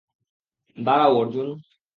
দাড়াও, অর্জুন!